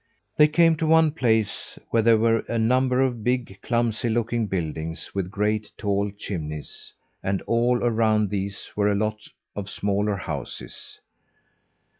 They came to one place where there were a number of big, clumsy looking buildings with great, tall chimneys, and all around these were a lot of smaller houses.